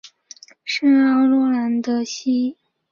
圣奥诺兰德迪西。